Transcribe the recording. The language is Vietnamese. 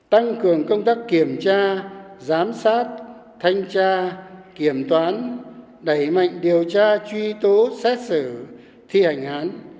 tăng cường công tác kiểm tra giám sát thanh tra kiểm toán đẩy mạnh điều tra truy tố xét xử thi hành án